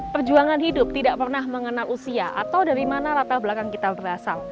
perjuangan hidup tidak pernah mengenal usia atau dari mana latar belakang kita berasal